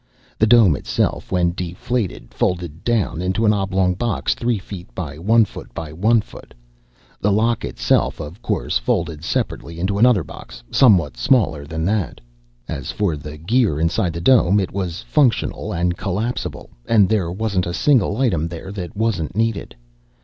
The dome itself, when deflated, folded down into an oblong box three feet by one foot by one foot. The lock itself, of course, folded separately, into another box somewhat smaller than that. As for the gear inside the dome, it was functional and collapsible, and there wasn't a single item there that wasn't needed.